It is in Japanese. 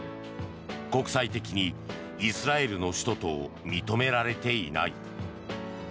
国際的にイスラエルの首都と認められていない。